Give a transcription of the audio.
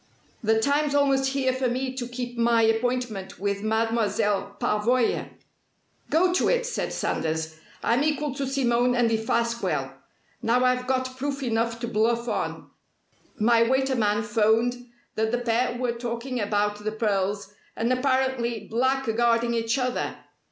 "The time's almost here for me to keep my appointment with Mademoiselle Pavoya." "Go to it!" said Sanders. "I'm equal to Simone and Defasquelle. Now I've got proof enough to bluff on my waiter man 'phoned that the pair were talking about the pearls and apparently blackguarding each other!